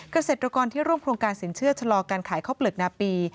เกษตรกรที่ร่วมโครงการสินเชื่อชะลอการขายข้าวเปลือกนาปี